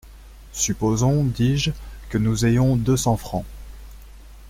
Supposons, dis-je, que nous ayons deux cents francs…